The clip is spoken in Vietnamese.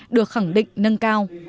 được khẳng định nâng cao